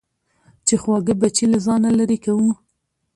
چې خواږه بچي له ځانه لېرې کوو.